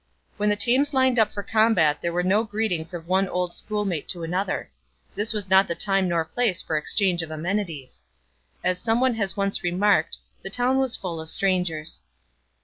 When the teams lined up for combat there were no greetings of one old schoolmate to another. It was not the time nor place for exchange of amenities. As some one has since remarked, "The town was full of strangers."